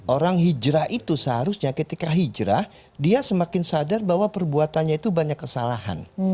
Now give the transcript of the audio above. orang hijrah itu seharusnya ketika hijrah dia semakin sadar bahwa perbuatannya itu banyak kesalahan